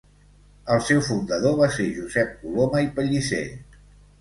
El seu fundador va ser Josep Coloma i Pellicer.